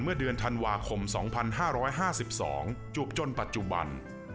เมื่อเดือนธันวาคม๒๕๕๒จุบจนปัจจุบัน